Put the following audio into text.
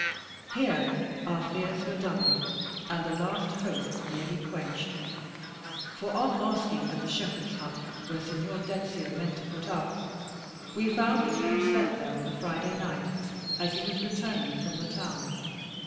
Here our fears were doubled, and the last hope nearly quenched; for on asking at the shepherd's hut, where Signor Dezio meant to put up, we found that he had slept there on the Friday night, as he was returning from the town.